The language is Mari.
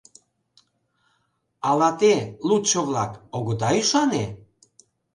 Ала те, лудшо-влак, огыда ӱшане?